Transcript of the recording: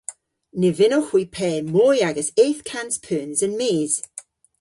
Ny vynnowgh hwi pe moy ages eth kans peuns an mis.